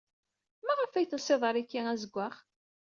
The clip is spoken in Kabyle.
Maɣef ay telsid ariki azewwaɣ?